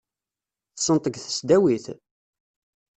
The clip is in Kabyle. Tessned-t deg tesdawit?